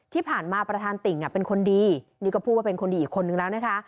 ที่ผ่านมาประธานติ่งเป็นคนดีนี่ก็พูดว่าเป็นคนดีอีกคนนึงแล้วนะคะ